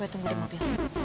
gue tunggu di mobil